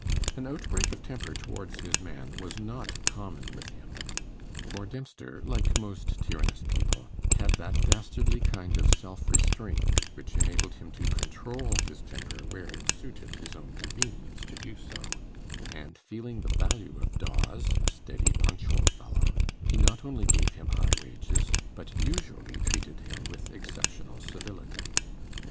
An outbreak of temper towards his man was not common with him; for Dempster, like most tyrannous people, had that dastardly kind of self restraint which enabled him to control his temper where it suited his own convenience to do so; and feeling the value of Dawes, a steady punctual fellow, he not only gave him high wages, but usually treated him with exceptional civility.